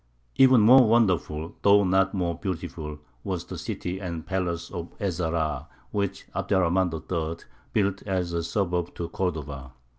Even more wonderful, though not more beautiful, was the city and palace of Ez Zahrā, which Abd er Rahmān III. built as a suburb to Cordova.